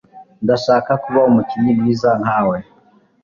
Ndashaka kuba umukinnyi mwiza nkawe.